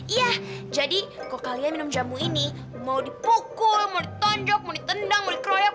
iya jadi kok kalian minum jamu ini mau dipukul mau ditondok mau ditendang mau dikeroyok